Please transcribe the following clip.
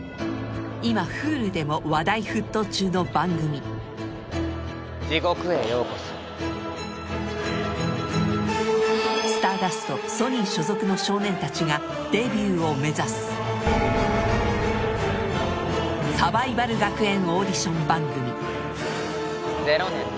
今Ｈｕｌｕでも話題沸騰中の番組スターダストソニー所属の少年たちがデビューを目指すサバイバル学園オーディション番組